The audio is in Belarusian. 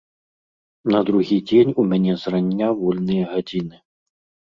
На другі дзень у мяне зрання вольныя гадзіны.